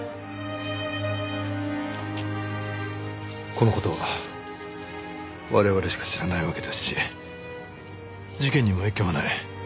この事は我々しか知らないわけですし事件にも影響はない。